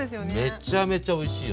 めっちゃめちゃおいしいよね。